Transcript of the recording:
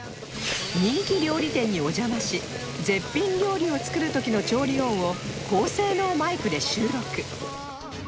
人気料理店にお邪魔し絶品料理を作る時の調理音を高性能マイクで収録！